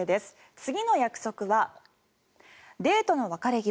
次の約束はデートの別れ際。